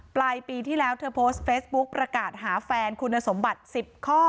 ปลายปีที่แล้วเธอโพสต์เฟซบุ๊คประกาศหาแฟนคุณสมบัติ๑๐ข้อ